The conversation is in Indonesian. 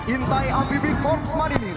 intai abb korps marini